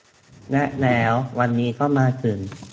และแล้ววันนี้ก็มาถึง